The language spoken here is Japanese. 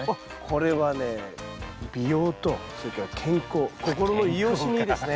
これはね美容とそれから健康心の癒やしにいいですね。